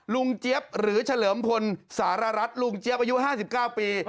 เจี๊ยบหรือเฉลิมพลสารรัฐลุงเจี๊ยบอายุ๕๙ปี